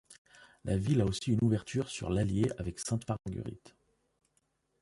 La ville a aussi une ouverture sur l'Allier avec Sainte-Marguerite.